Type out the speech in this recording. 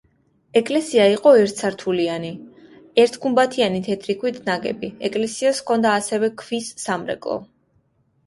ეკლესია იყო ერთსართულიანი, ერთგუმბათიანი თეთრი ქვით ნაგები, ეკლესიას ჰქონდა ასევე ქვის სამრეკლო.